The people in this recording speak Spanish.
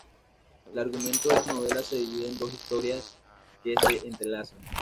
El argumento de esta novela se divide en dos historias que se entrelazan.